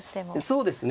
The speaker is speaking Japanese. そうですね。